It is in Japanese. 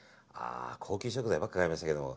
高級食材ばっか買いましたけど。